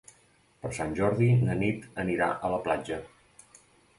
Per Sant Jordi na Nit anirà a la platja.